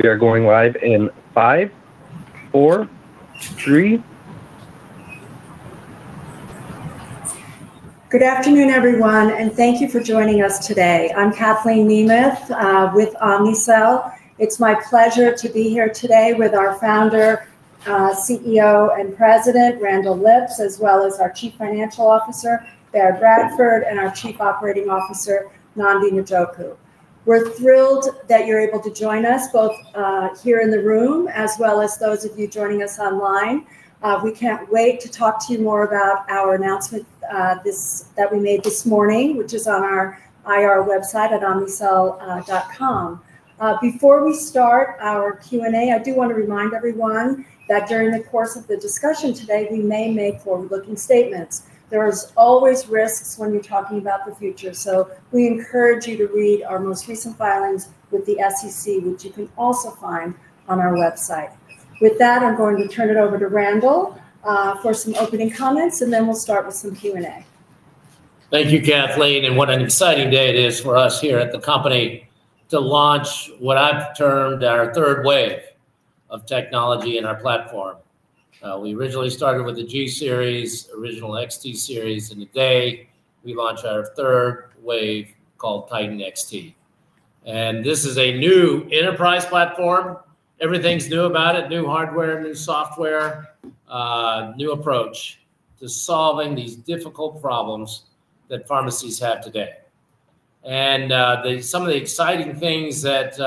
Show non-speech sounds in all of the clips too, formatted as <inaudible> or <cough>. We are going live in five, four, three. Good afternoon, everyone, and thank you for joining us today. I'm Kathleen Nemeth with Omnicell. It's my pleasure to be here today with our founder, CEO, and president, Randall Lipps, as well as our Chief Financial Officer, Baird Radford, and our Chief Operating Officer, Nnamdi Njoku. We're thrilled that you're able to join us, both here in the room as well as those of you joining us online. We can't wait to talk to you more about our announcement that we made this morning, which is on our IR website at omnicell.com. Before we start our Q&A, I do want to remind everyone that during the course of the discussion today, we may make forward-looking statements. There are always risks when you're talking about the future, so we encourage you to read our most recent filings with the SEC, which you can also find on our website. With that, I'm going to turn it over to Randall for some opening comments, and then we'll start with some Q&A. Thank you, Kathleen, and what an exciting day it is for us here at the company to launch what I've termed our third wave of technology in our platform. We originally started with the G Series, original XT Series, and today we launch our third wave called Titan XT, and this is a new enterprise platform. Everything's new about it, new hardware, new software, new approach to solving these difficult problems that pharmacies have today, and some of the exciting things that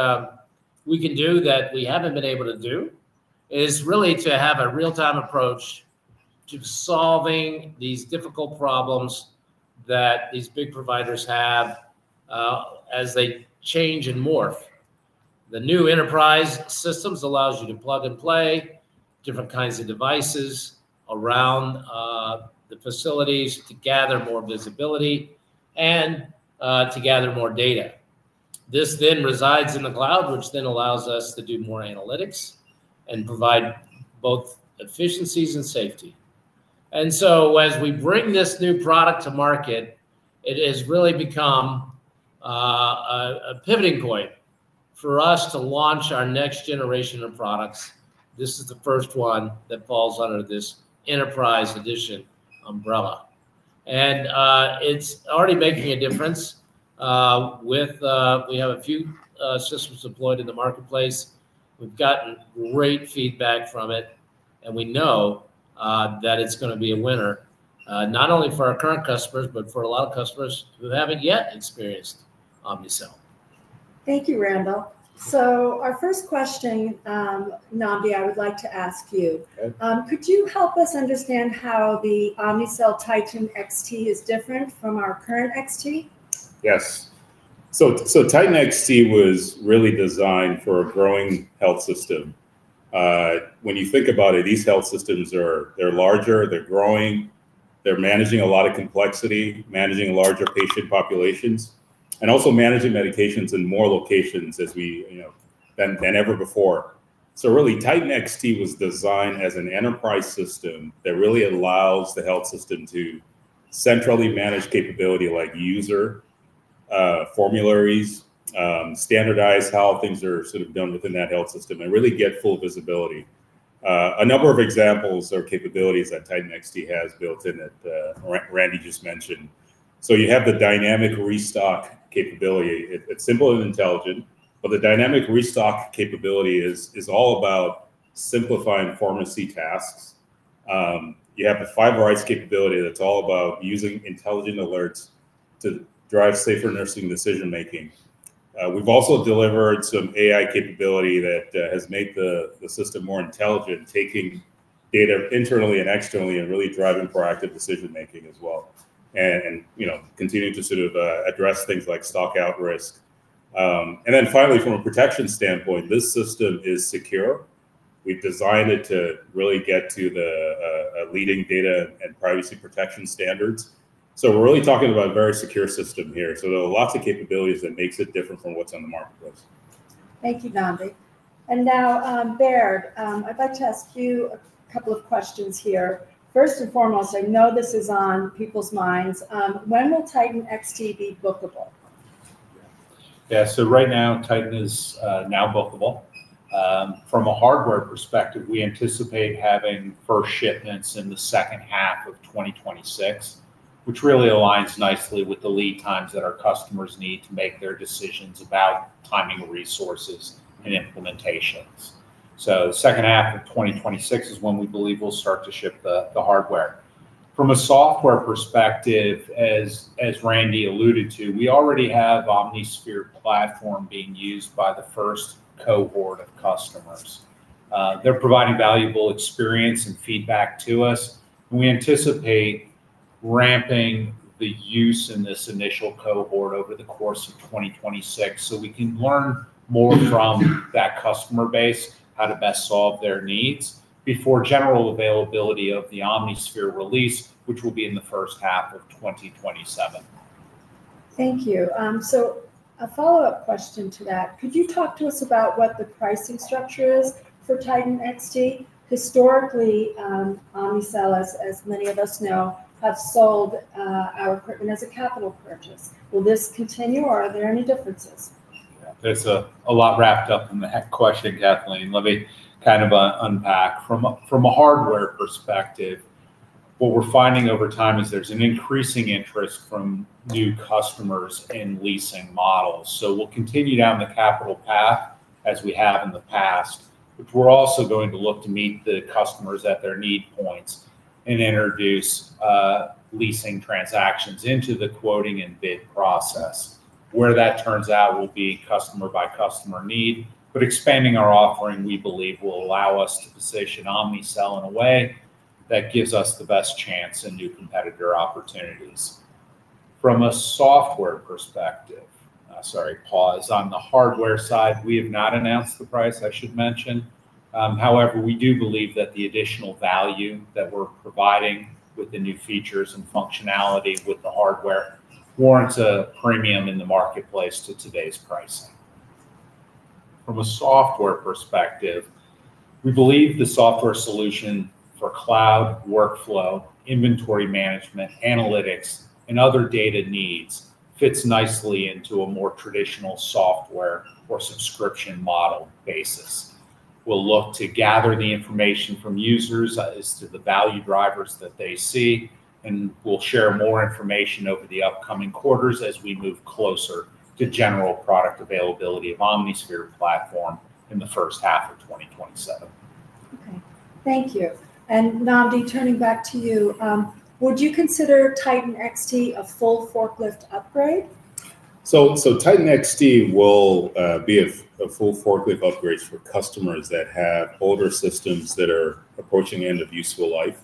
we can do that we haven't been able to do is really to have a real-time approach to solving these difficult problems that these big providers have as they change and morph. The new enterprise systems allow you to plug and play different kinds of devices around the facilities to gather more visibility and to gather more data. This then resides in the cloud, which then allows us to do more analytics and provide both efficiencies and safety, and so as we bring this new product to market, it has really become a pivoting point for us to launch our next generation of products. This is the first one that falls under this enterprise edition umbrella, and it's already making a difference. We have a few systems deployed in the marketplace. We've gotten great feedback from it, and we know that it's going to be a winner, not only for our current customers, but for a lot of customers who haven't yet experienced Omnicell. Thank you, Randall. So our first question, Nnamdi, I would like to ask you, could you help us understand how the Omnicell Titan XT is different from our current XT? Yes. So Titan XT was really designed for a growing health system. When you think about it, these health systems, they're larger, they're growing, they're managing a lot of complexity, managing larger patient populations, and also managing medications in more locations than ever before. So really, Titan XT was designed as an enterprise system that really allows the health system to centrally manage capability like user formularies, standardized how things are sort of done within that health system, and really get full visibility. A number of examples are capabilities that Titan XT has built in that Randy just mentioned. So you have the dynamic restock capability. It's simple and intelligent, but the dynamic restock capability is all about simplifying pharmacy tasks. You have the Five Rights capability that's all about using intelligent alerts to drive safer nursing decision-making. We've also delivered some AI capability that has made the system more intelligent, taking data internally and externally and really driving proactive decision-making as well, and continuing to sort of address things like stock-out risk. And then finally, from a protection standpoint, this system is secure. We've designed it to really get to the leading data and privacy protection standards. So we're really talking about a very secure system here. So there are lots of capabilities that make it different from what's on the marketplace. Thank you, Nnamdi. And now, Baird, I'd like to ask you a couple of questions here. First and foremost, I know this is on people's minds, when will Titan XT be bookable? Yeah, so right now, Titan is now bookable. From a hardware perspective, we anticipate having first shipments in the second half of 2026, which really aligns nicely with the lead times that our customers need to make their decisions about timing resources and implementations. So the second half of 2026 is when we believe we'll start to ship the hardware. From a software perspective, as Randy alluded to, we already have OmniSphere platform being used by the first cohort of customers. They're providing valuable experience and feedback to us, and we anticipate ramping the use in this initial cohort over the course of 2026 so we can learn more from that customer base, how to best solve their needs before general availability of the OmniSphere release, which will be in the first half of 2027. Thank you. So a follow-up question to that, could you talk to us about what the pricing structure is for Titan XT? Historically, Omnicell, as many of us know, have sold our equipment as a capital purchase. Will this continue, or are there any differences? It's a lot wrapped up in that question, Kathleen. Let me kind of unpack. From a hardware perspective, what we're finding over time is there's an increasing interest from new customers in leasing models. So we'll continue down the capital path as we have in the past, but we're also going to look to meet the customers at their need points and introduce leasing transactions into the quoting and bid process. Where that turns out will be customer-by-customer need, but expanding our offering, we believe, will allow us to position Omnicell in a way that gives us the best chance and new competitor opportunities. From a software perspective, sorry, pause. On the hardware side, we have not announced the price, I should mention. However, we do believe that the additional value that we're providing with the new features and functionality with the hardware warrants a premium in the marketplace to today's pricing. From a software perspective, we believe the software solution for cloud workflow, inventory management, analytics, and other data needs fits nicely into a more traditional software or subscription model basis. We'll look to gather the information from users as to the value drivers that they see, and we'll share more information over the upcoming quarters as we move closer to general product availability of OmniSphere platform in the first half of 2027. Okay. Thank you. And Nnamdi, turning back to you, would you consider Titan XT a full forklift upgrade? Titan XT will be a full forklift upgrade for customers that have older systems that are approaching end of useful life.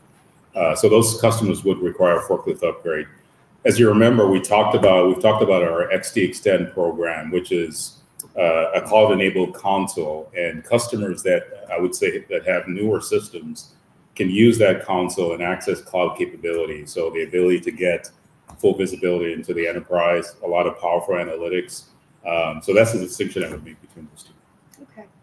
Those customers would require a forklift upgrade. As you remember, we talked about our XTExtend program, which is a cloud-enabled console, and customers that I would say that have newer systems can use that console and access cloud capability, so the ability to get full visibility into the enterprise, a lot of powerful analytics. That's the distinction I would make between those two.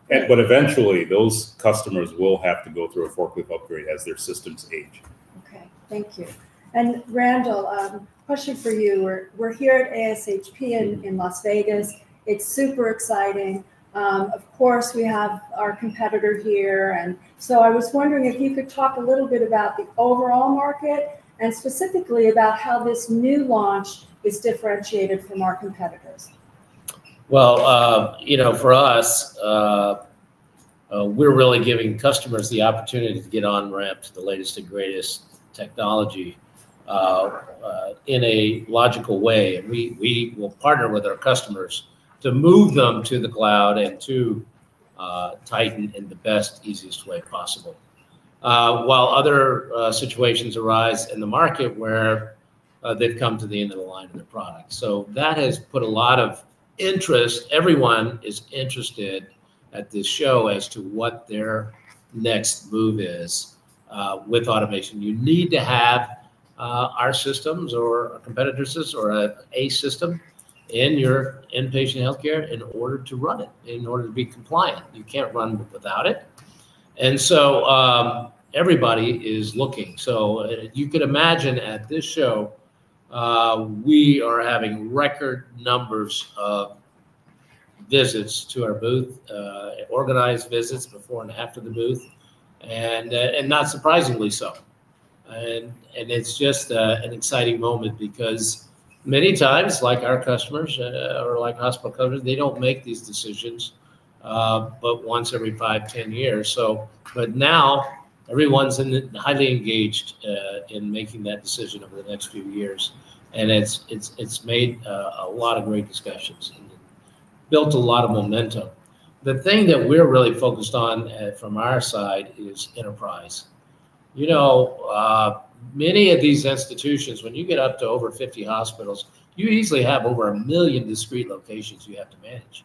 Okay. But eventually, those customers will have to go through a forklift upgrade as their systems age. Okay. Thank you. And Randall, question for you. We're here at ASHP in Las Vegas. It's super exciting. Of course, we have our competitor here. And so I was wondering if you could talk a little bit about the overall market and specifically about how this new launch is differentiated from our competitors. For us, we're really giving customers the opportunity to get on-ramp to the latest and greatest technology in a logical way. We will partner with our customers to move them to the cloud and to Titan in the best, easiest way possible, while other situations arise in the market where they've come to the end of the line of their product. That has put a lot of interest. Everyone is interested at this show as to what their next move is with automation. You need to have our systems or a competitor's system or an ADC system in your inpatient healthcare in order to run it, in order to be compliant. You can't run without it. Everybody is looking. So you could imagine at this show, we are having record numbers of visits to our booth, organized visits before and after the booth, and not surprisingly so. And it's just an exciting moment because many times, like our customers or like hospital customers, they don't make these decisions, but once every five, 10 years. But now everyone's highly engaged in making that decision over the next few years, and it's made a lot of great discussions and built a lot of momentum. The thing that we're really focused on from our side is enterprise. Many of these institutions, when you get up to over 50 hospitals, you easily have over a million discrete locations you have to manage.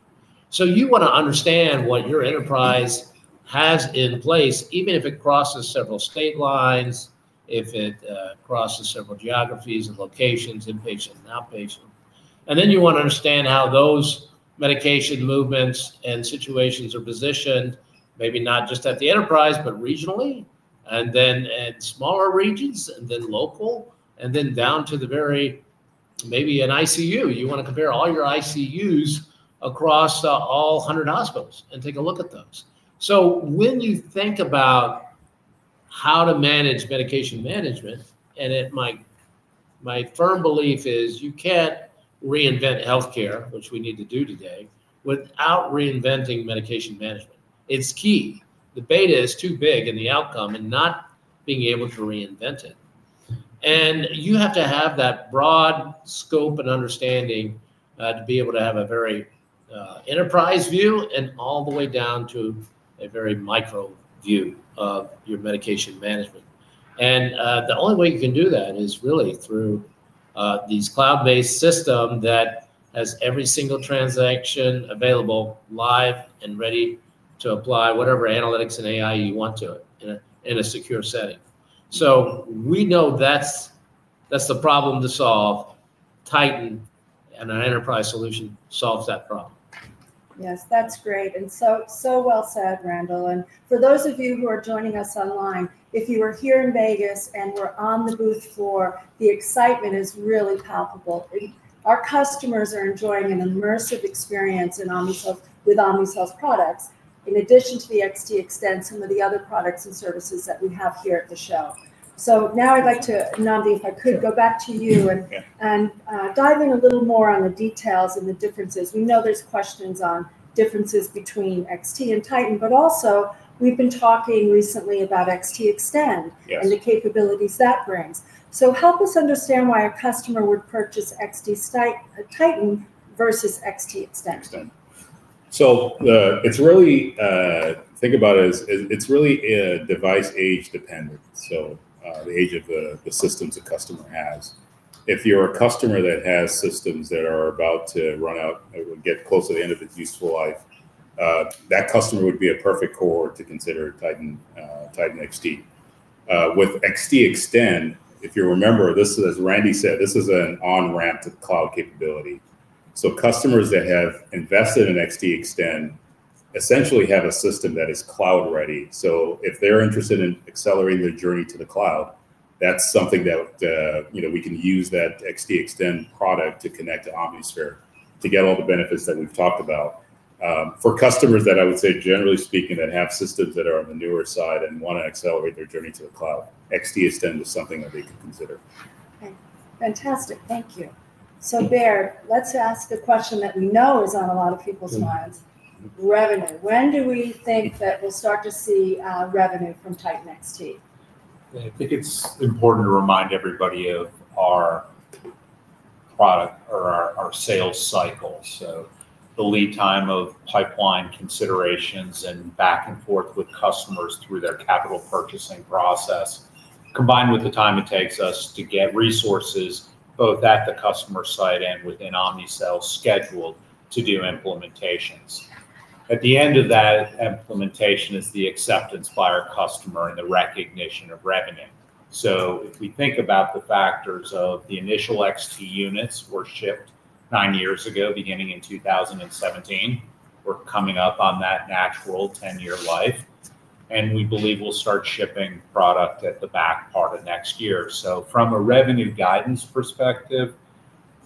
So you want to understand what your enterprise has in place, even if it crosses several state lines, if it crosses several geographies and locations, inpatient and outpatient. And then you want to understand how those medication movements and situations are positioned, maybe not just at the enterprise, but regionally, and then in smaller regions, and then local, and then down to the very, maybe, an ICU. You want to compare all your ICUs across all 100 hospitals and take a look at those. So when you think about how to manage medication management, and my firm belief is you can't reinvent healthcare, which we need to do today, without reinventing medication management. It's key. The bet is too big in the outcome and not being able to reinvent it. And you have to have that broad scope and understanding to be able to have a very enterprise view and all the way down to a very micro view of your medication management. The only way you can do that is really through these cloud-based systems that have every single transaction available live and ready to apply whatever analytics and AI you want to in a secure setting. We know that's the problem to solve. Titan and our enterprise solution solves that problem. Yes, that's great. And so well said, Randall. And for those of you who are joining us online, if you are here in Vegas and were on the booth floor, the excitement is really palpable. Our customers are enjoying an immersive experience with Omnicell's products, in addition to the XTExtend, some of the other products and services that we have here at the show. So now I'd like to, Nnamdi, if I could, go back to you and dive in a little more on the details and the differences. We know there's questions on differences between XT and Titan, but also we've been talking recently about XTExtend and the capabilities that brings. So help us understand why a customer would purchase Titan XTs versus XTExtend. So it's really, think about it, as it's really device age dependent. So the age of the systems a customer has. If you're a customer that has systems that are about to run out or get close to the end of its useful life, that customer would be a perfect cohort to consider Titan XT. With XTExtend, if you remember, this is, as Randy said, this is an on-ramp to cloud capability. So customers that have invested in XTExtend essentially have a system that is cloud-ready. So if they're interested in accelerating their journey to the cloud, that's something that we can use that XTExtend product to connect to OmniSphere to get all the benefits that we've talked about. For customers that I would say, generally speaking, that have systems that are on the newer side and want to accelerate their journey to the cloud, XTExtend is something that they could consider. Okay. Fantastic. Thank you. So Baird, let's ask the question that we know is on a lot of people's minds, revenue. When do we think that we'll start to see revenue from Titan XT? I think it's important to remind everybody of our product or our sales cycle. So the lead time of pipeline considerations and back and forth with customers through their capital purchasing process, combined with the time it takes us to get resources both at the customer site and within Omnicell scheduled to do implementations. At the end of that implementation is the acceptance by our customer and the recognition of revenue. So if we think about the factors of the initial XT units were shipped nine years ago, beginning in 2017, we're coming up on that natural 10-year life, and we believe we'll start shipping product at the back part of next year. So from a revenue guidance perspective,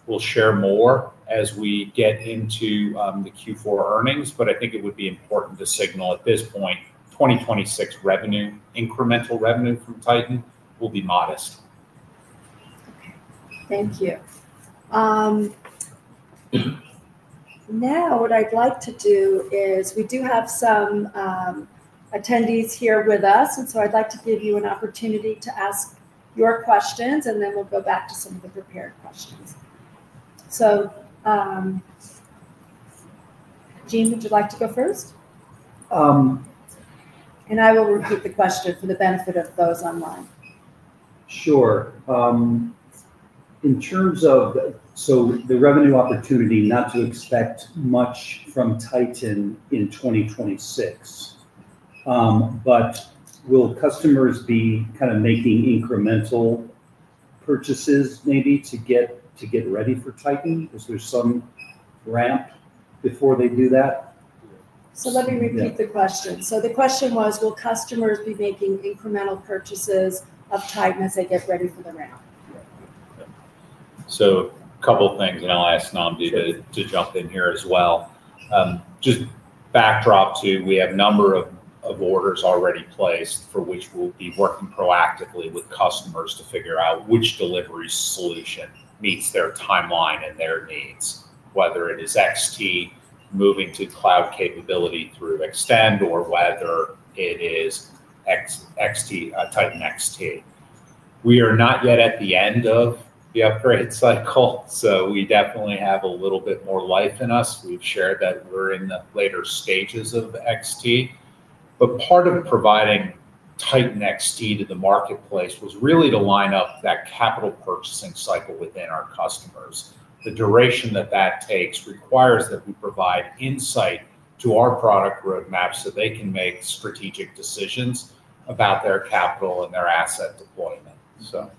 we'll share more as we get into the Q4 earnings, but I think it would be important to signal at this point, 2026 revenue, incremental revenue from Titan will be modest. Okay. Thank you. Now, what I'd like to do is we do have some attendees here with us, and so I'd like to give you an opportunity to ask your questions, and then we'll go back to some of the prepared questions. Gene, would you like to go first? I will repeat the question for the benefit of those online. Sure. In terms of the revenue opportunity, not to expect much from Titan in 2026, but will customers be kind of making incremental purchases maybe to get ready for Titan? Is there some ramp before they do that? So let me repeat the question. So the question was, will customers be making incremental purchases of Titan as they get ready for the ramp? A couple of things, and I'll ask Nnamdi to jump in here as well. Just backdrop too, we have a number of orders already placed for which we'll be working proactively with customers to figure out which delivery solution meets their timeline and their needs, whether it is XT moving to cloud capability through Extend or whether it is Titan XT. We are not yet at the end of the upgrade cycle, so we definitely have a little bit more life in us. We've shared that we're in the later stages of XT. But part of providing Titan XT to the marketplace was really to line up that capital purchasing cycle within our customers. The duration that that takes requires that we provide insight to our product roadmap so they can make strategic decisions about their capital and their asset deployment, so.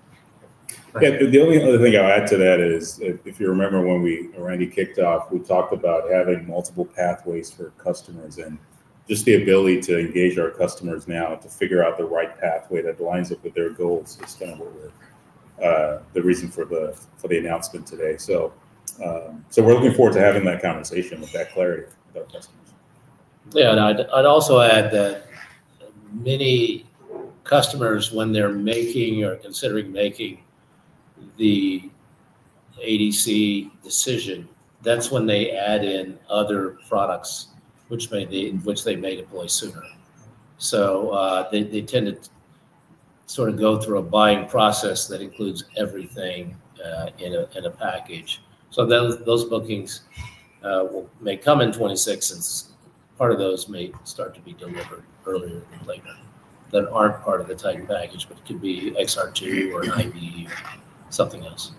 The only other thing I'll add to that is, if you remember when Randy kicked off, we talked about having multiple pathways for customers and just the ability to engage our customers now to figure out the right pathway that lines up with their goals is kind of the reason for the announcement today. So we're looking forward to having that conversation with that clarity with our customers. Yeah. And I'd also add that many customers, when they're making or considering making the ADC decision, that's when they add in other products which they may deploy sooner. So they tend to sort of go through a buying process that includes everything in a package. So those bookings may come in 2026, and part of those may start to be delivered earlier than later that aren't part of the Titan package, but it could be XR2 or XT or something else.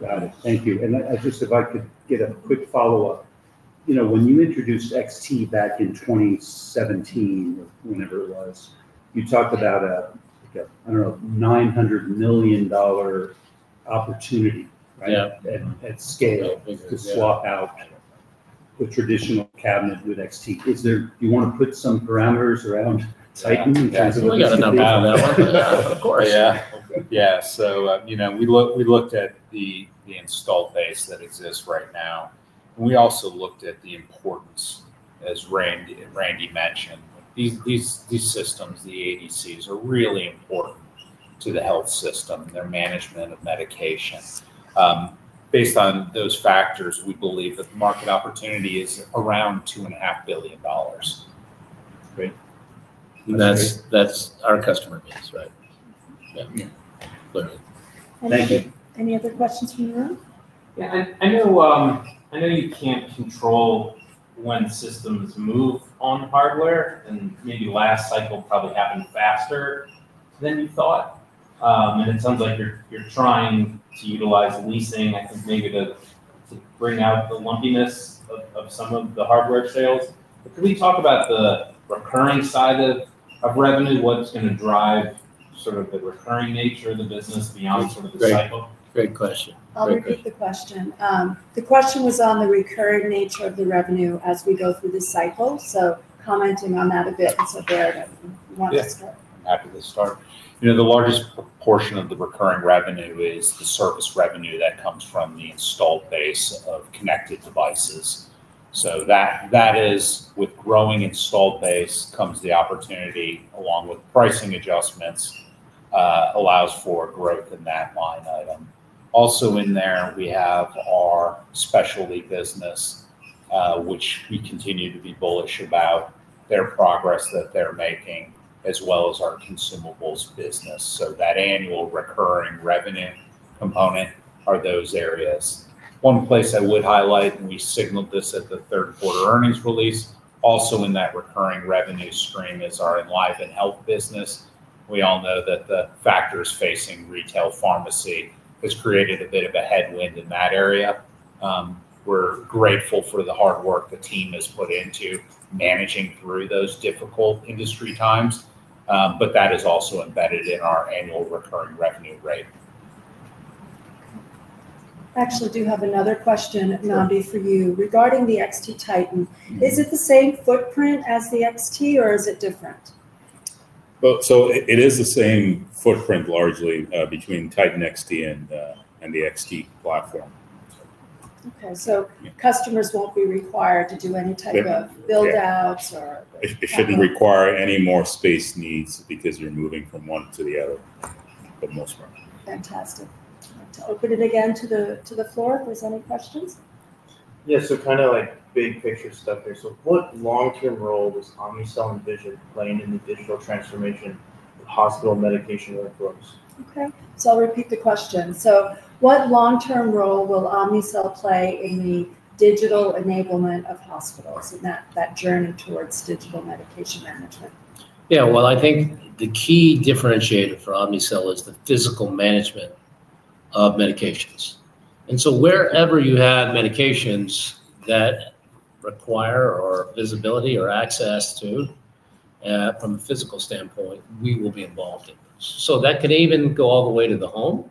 Got it. Thank you. And I just, if I could get a quick follow-up, when you introduced XT back in 2017 or whenever it was, you talked about a, I don't know, $900 million opportunity, right, at scale to swap out the traditional cabinet with XT. Do you want to put some parameters around Titan in terms of? <crosstalk> We got enough data on that one. Of course. Yeah. Yeah. So we looked at the install phase that exists right now, and we also looked at the importance, as Randy mentioned. These systems, the ADCs, are really important to the health system and their management of medication. Based on those factors, we believe that the market opportunity is around $2.5 billion. That's our customer base, right? Yeah. Thank you. Any other questions from the room? Yeah. I know you can't control when systems move on hardware, and maybe last cycle probably happened faster than you thought. And it sounds like you're trying to utilize leasing, I think, maybe to bring out the lumpiness of some of the hardware sales. But can we talk about the recurring side of revenue, what's going to drive sort of the recurring nature of the business beyond sort of the cycle? Great question. I'll repeat the question. The question was on the recurring nature of the revenue as we go through the cycle. So commenting on that a bit. And so Baird, if you want to start. Yeah. Happy to start. The largest portion of the recurring revenue is the service revenue that comes from the installed base of connected devices. So that is, with growing installed base, comes the opportunity along with pricing adjustments, allows for growth in that line item. Also in there, we have our specialty business, which we continue to be bullish about their progress that they're making, as well as our consumables business. So that annual recurring revenue component are those areas. One place I would highlight, and we signaled this at the third quarter earnings release, also in that recurring revenue stream is our EnlivenHealth business. We all know that the factors facing retail pharmacy has created a bit of a headwind in that area. We're grateful for the hard work the team has put into managing through those difficult industry times, but that is also embedded in our annual recurring revenue rate. Actually, I do have another question, Nnamdi, for you. Regarding the Titan XT, is it the same footprint as the XT, or is it different? So it is the same footprint largely between Titan XT and the XT platform. Okay, so customers won't be required to do any type of build-outs or. It shouldn't require any more space needs because you're moving from one to the other for the most part. Fantastic. I'll open it again to the floor. If there's any questions? Yeah. So kind of like big picture stuff here. So what long-term role does Omnicell envision play in the digital transformation of hospital medication workflows? Okay. So I'll repeat the question. So what long-term role will Omnicell play in the digital enablement of hospitals and that journey towards digital medication management? Yeah. Well, I think the key differentiator for Omnicell is the physical management of medications. And so wherever you have medications that require visibility or access to from a physical standpoint, we will be involved in those. So that can even go all the way to the home.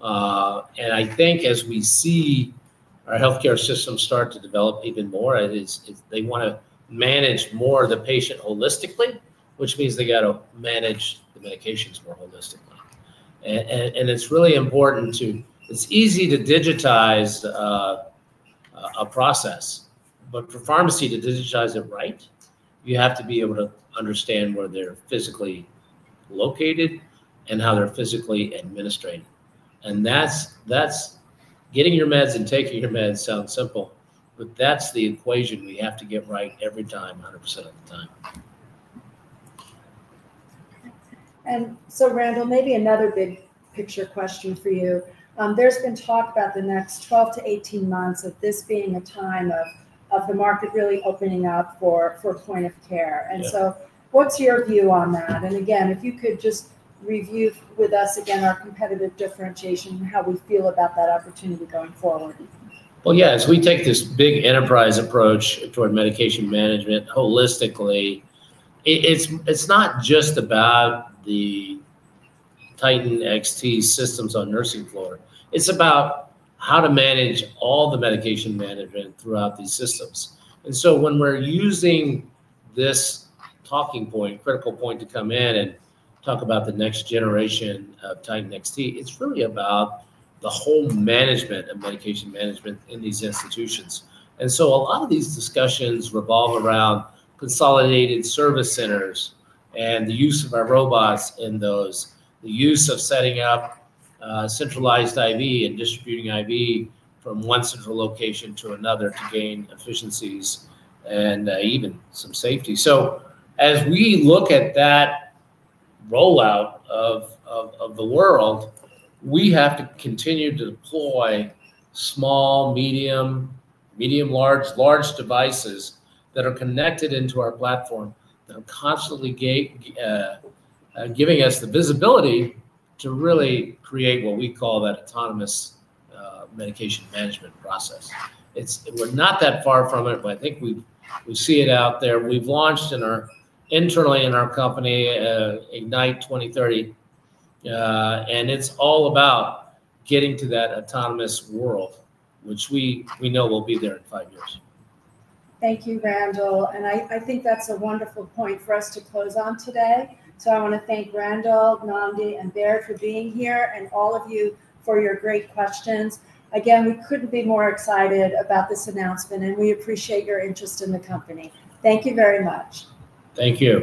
And I think as we see our healthcare system start to develop even more, they want to manage more of the patient holistically, which means they got to manage the medications more holistically. And it's really important. It's easy to digitize a process, but for pharmacy to digitize it right, you have to be able to understand where they're physically located and how they're physically administered. And getting your meds and taking your meds sounds simple, but that's the equation we have to get right every time, 100% of the time. And so, Randall, maybe another big picture question for you. There's been talk about the next 12-18 months of this being a time of the market really opening up for point of care. And so what's your view on that? And again, if you could just review with us again our competitive differentiation and how we feel about that opportunity going forward. Well, yeah, as we take this big enterprise approach toward medication management holistically, it's not just about the Titan XT systems on nursing floor. It's about how to manage all the medication management throughout these systems. And so when we're using this talking point, critical point to come in and talk about the next generation of Titan XT, it's really about the whole management of medication management in these institutions. And so a lot of these discussions revolve around Consolidated Service Centers and the use of our robots in those, the use of setting up centralized IV and distributing IV from one central location to another to gain efficiencies and even some safety. So as we look at that rollout of the world, we have to continue to deploy small, medium, medium-large, large devices that are connected into our platform that are constantly giving us the visibility to really create what we call that autonomous medication management process. We're not that far from it, but I think we see it out there. We've launched internally in our company, Ignite 2030, and it's all about getting to that autonomous world, which we know will be there in five years. Thank you, Randall. And I think that's a wonderful point for us to close on today. So I want to thank Randall, Nnamdi, and Baird for being here, and all of you for your great questions. Again, we couldn't be more excited about this announcement, and we appreciate your interest in the company. Thank you very much. Thank you.